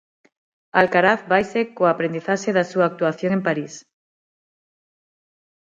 Alcaraz vaise coa aprendizaxe da súa actuación en París.